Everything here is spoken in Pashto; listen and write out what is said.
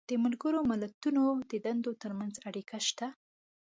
د ملګرو ملتونو د دندو تر منځ اړیکه شته.